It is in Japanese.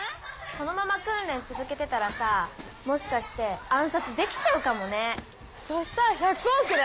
このまま訓練続けてたらさもしかして暗殺できちゃうかもねそしたら１００億だよ！